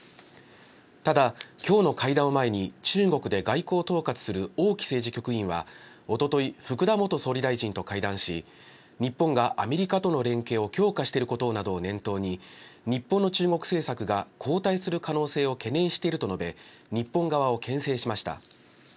ただ、きょうの会談を前に、中国で外交を統括する王毅政治局員はおととい、福田元総理大臣と会談し、日本がアメリカとの連携を強化していることなどを念頭に、日本の中国政策が後退する可能性を懸念していると述べ、日本側をけん制しました。